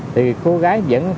thì anh có những cái nó mới